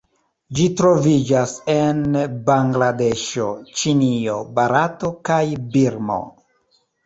Ĝi troviĝas en Bangladeŝo, Ĉinio, Barato, kaj Birmo.